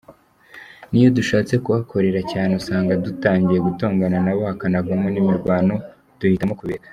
N’iyo dushatse kuhakorera cyane, usanga dutangiye gutongana nabo hakanavamo n’imirwano ; duhitamo kubireka.